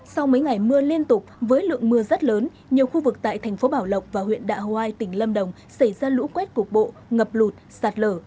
sau mấy ngày mưa liên tục với lượng mưa rất lớn nhiều khu vực tại thành phố bảo lộc và huyện đạ hoai tỉnh lâm đồng xảy ra lũ quét cục bộ ngập lụt sạt lở